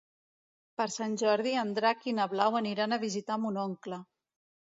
Per Sant Jordi en Drac i na Blau aniran a visitar mon oncle.